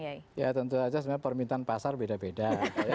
ya tentu saja sebenarnya permintaan pasar beda beda